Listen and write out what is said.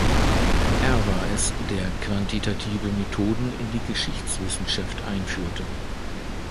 Er war es, der quantitative Methoden in die Geschichtswissenschaft einführte.